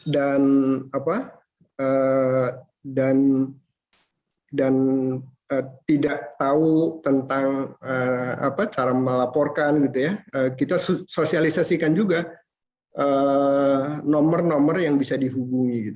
dan tidak tahu tentang cara melaporkan kita sosialisasikan juga nomor nomor yang bisa dihubungi